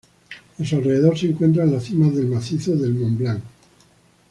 A su alrededor se encuentran las cimas del macizo del Mont Blanc.